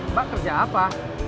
mbak kerja apa